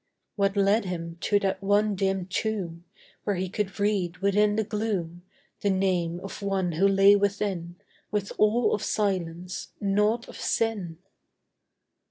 What led him to that one dim tomb, Where he could read within the gloom The name of one who lay within With all of silence, naught of sin?